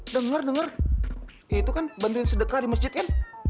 denger denger itu kan bantuin sedekah di masjid kan